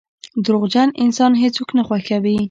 • دروغجن انسان هیڅوک نه خوښوي.